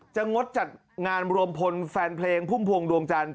งดจัดงานรวมพลแฟนเพลงพุ่มพวงดวงจันทร์